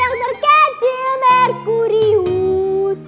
yang terkecil merkurius